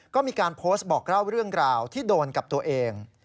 ก็มีการโพสต์บอกเล่าเรื่องราวที่โดนกับตัวเอง